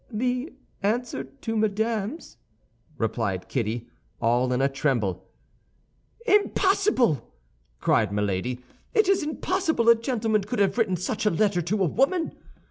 "The answer to Madame's," replied Kitty, all in a tremble. "Impossible!" cried Milady. "It is impossible a gentleman could have written such a letter to a woman."